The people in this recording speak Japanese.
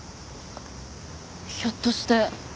ひょっとして。